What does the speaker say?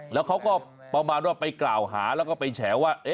แล้วเขาก็ประมาณว่าไปกล่าวหาแล้วก็ไปแฉว่า